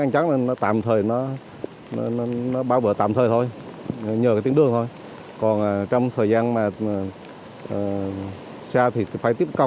còn trong thời gian mà xa thì phải tiếp công